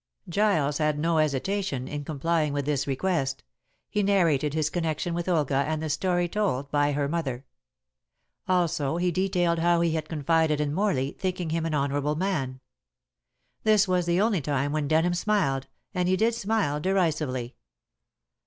Giles had no hesitation in complying with this request. He narrated his connection with Olga and the story told by her mother. Also he detailed how he had confided in Morley, thinking him an honorable man. This was the only time when Denham smiled, and he did smile derisively.